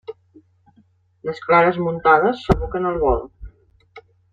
Les clares muntades s'aboquen al bol.